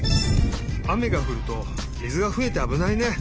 あめがふると水がふえてあぶないね。